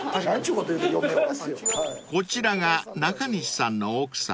［こちらが中西さんの奥さま］